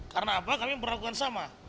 karena apa kami berlakukan sama